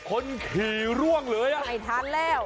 คนขี่ร่วงเลยอ่ะไม่ทันแล้ว